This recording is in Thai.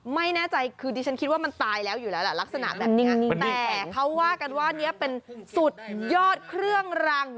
ไม่แน่ใจคือดิฉันคิดว่ามันตายแล้วอยู่แล้วแต่เขาว่ากันว่านี้เป็นสุดยอดเครื่องรัง